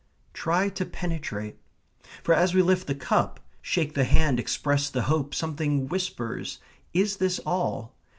"Try to penetrate," for as we lift the cup, shake the hand, express the hope, something whispers, Is this all?